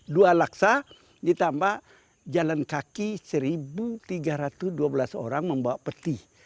dua laksa ditambah jalan kaki satu tiga ratus dua belas orang membawa peti